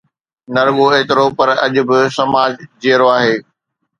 نه رڳو ايترو پر اڄ به سماج جيئرو آهي.